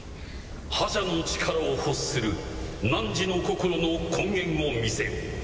破邪の力を欲するなんじの心の根源を見せよ。